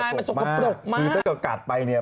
คือถ้าเกิดกัดไปเนี่ย